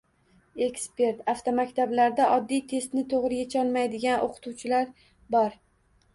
Ekspert: Avtomaktablarda oddiy testni to‘g‘ri yecholmaydigan o‘qituvchilar bor